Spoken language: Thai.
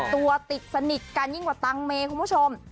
ตัวติดสนิทกันยิ่งกว่าตังค์เมย์คุณผู้ชม